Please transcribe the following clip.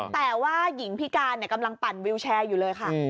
แต่ว่าหญิงพิการกำลังปั่นวิวแชร์อยู่เลยค่ะ